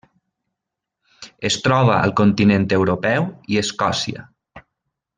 Es troba al continent europeu i Escòcia.